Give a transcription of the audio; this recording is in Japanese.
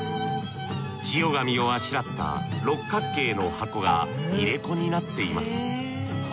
千代紙をあしらった六角形の箱が入れ子になっています。